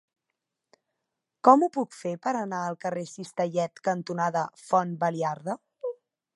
Com ho puc fer per anar al carrer Cistellet cantonada Font Baliarda?